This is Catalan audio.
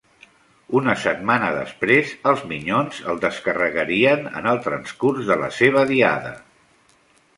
Una setmana després, els Minyons el descarregarien en el transcurs de la seva diada.